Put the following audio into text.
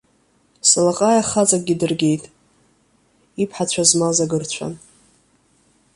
Салаҟаиа хаҵакгьы дыргеит, иԥҳацәа змаз агырцәан.